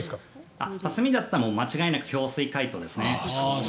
刺し身だったら間違いなく氷水解凍ですね。